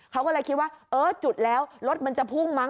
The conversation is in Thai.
เขาก็เลยคิดว่าเออจุดแล้วรถมันจะพุ่งมั้